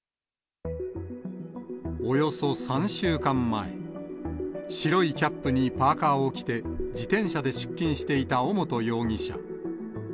およそ３週間前、白いキャップにパーカーを着て、自転車で出勤していた尾本容疑者。